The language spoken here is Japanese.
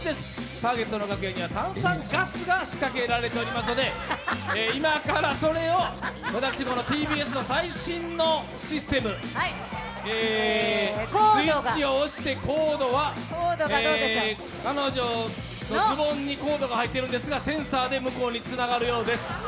ターゲットの楽屋には炭酸ガスが仕掛けられていますので今からそれを私、ＴＢＳの最新のシステム、スイッチを押してコードは彼女のズボンにコードが入っているんですが、センサーで向こうにつながるようです。